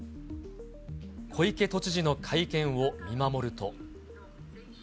小池都知事の会見を見守ると。